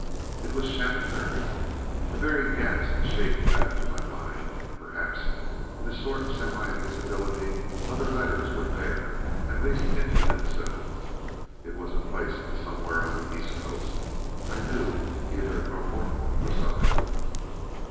It was Shaphambury. The very gaps shaped that to my mind. Perhaps in a sort of semi visibility other letters were there, at least hinting themselves. It was a place somewhere on the east coast, I knew, either in Norfolk or Suffolk.